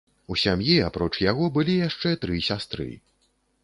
У сям'і, апроч яго, былі яшчэ тры сястры.